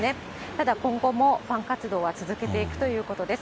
ただ、今後もファン活動は続けていくということです。